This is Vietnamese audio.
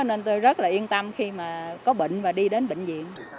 nên tôi rất là yên tâm khi mà có bệnh và đi đến bệnh viện